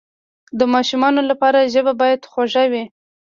د ماشومانو لپاره ژبه باید خوږه وي.